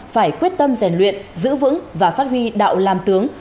phải quyết tâm rèn luyện giữ vững và phát huy đạo làm tướng